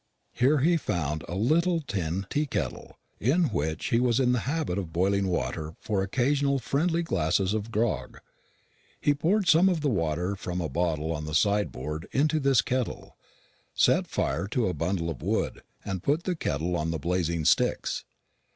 Here he found a little tin tea kettle, in which he was in the habit of boiling water for occasional friendly glasses of grog. He poured some water from a bottle on the sideboard into this kettle, set fire to a bundle of wood, and put the kettle on the blazing sticks.